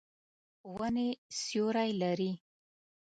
ونې سیوری لري.